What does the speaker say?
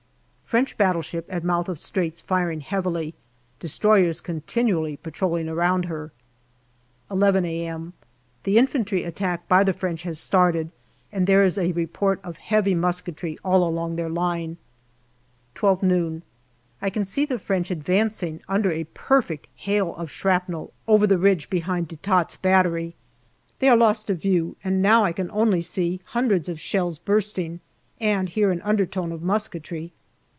French battleship at mouth of Straits firing heavily. Destroyers continually patrolling around her. 11 a.m. The infantry attack by the French has started, and there is a report of heavy musketry all along their line. 12 noon. I can see the French advancing under a perfect hail of shrapnel over the ridge behind De Tott's Battery. They are lost to view, and now I can only see hundreds of shells bursting and hear an undertone of musketry.